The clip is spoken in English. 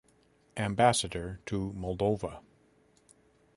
Ambassador to Moldova.